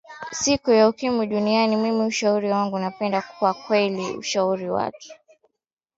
siku ya ukimwi duniani mimi ushauri wangu napenda kwa kweli kushauri watu